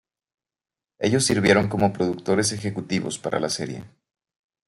Ellos sirvieron como productores ejecutivos para la serie.